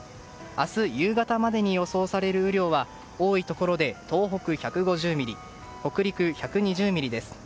明日夕方までに予想される雨量は多いところで東北１５０ミリ北陸１２０ミリです。